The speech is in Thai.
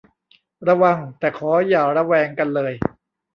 ระวัง แต่ขออย่าระแวงกันเลย